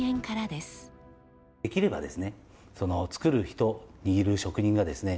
できればですねその作る人握る職人がですね